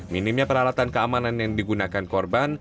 minimnya peralatan keamanan yang digunakan korban